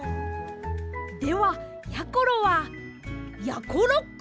ではやころはやころっく！